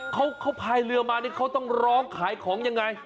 เขาพายเรือมานี่เขาต้องร้องขายของยังไง